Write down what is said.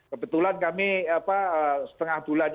kebetulan kami setengah bulan